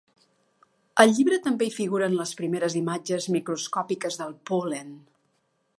Al llibre també hi figuren les primeres imatges microscòpiques del pol·len.